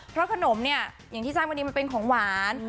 เพราะขนมเนี่ยอย่างที่ทราบกันดีมันเป็นของหวาน